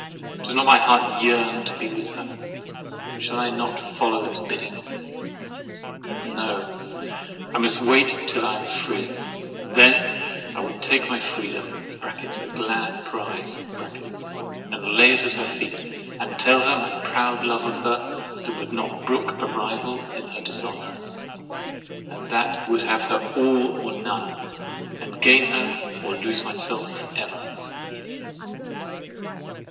Does not my heart yearn to be with her; and shall I not follow its bidding? No, I must wait till I am free; and then I will take my Freedom (a glad prize) and lay it at her feet and tell her my proud love of her that would not brook a rival in her dishonour, and that would have her all or none, and gain her or lose myself for ever!